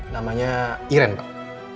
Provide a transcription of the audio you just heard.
namanya iren pak